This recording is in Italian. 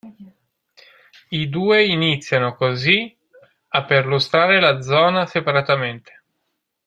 I due iniziano così a perlustrare la zone separatamente.